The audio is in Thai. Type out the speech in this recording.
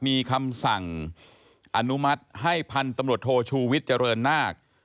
มีคำสั่งอนุมัติให้พันธุ์ตำรวจโทชูวิทย์เจริญนาค